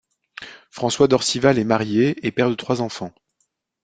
François d'Orcival est marié et père de trois enfants.